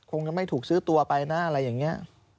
คงจะไม่ถูกซื้อตัวไปนะอะไรอย่างนี้